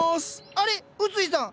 あれ⁉薄井さん！